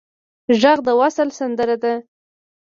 غږ د وصل سندره ده